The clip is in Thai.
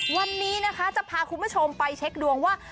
วันนี้นะคะจะพาคุณผู้ชมไปเช็คดวงว่า